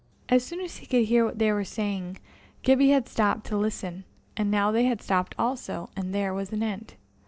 As soon as he could hear what they were saying, Gibbie had stopped to listen; and now they had stopped also, and there was an end.